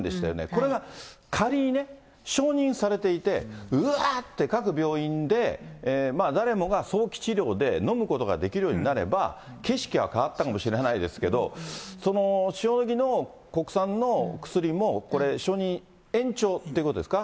これが仮にね、承認されていて、うわーって各病院で誰もが早期治療で飲むことができるようになれば、景色は変わったのかもしれないですけど、塩野義の国産の薬もこれ、承認延長ってことですか。